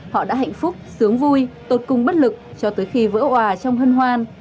họ đã hạnh phúc sướng vui tột cung bất lực cho tới khi vỡ òa trong hân hoan